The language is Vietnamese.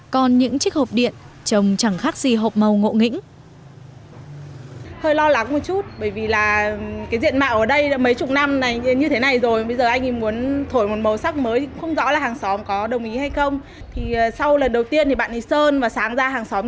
còn những chiếc hộp điện chồng chẳng khác gì hộp màu ngộ nghĩnh